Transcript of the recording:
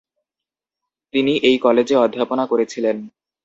তিনি এই কলেজে অধ্যাপনা করেছিলেন।